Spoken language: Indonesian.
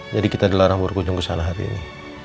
jadi kita dilarang berkunjung kesana hari ini